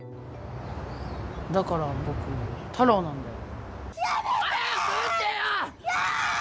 だから僕、タロウなんだよ。